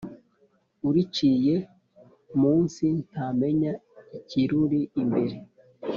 Uruciye mu nsi ntamenya ikiruri imbere.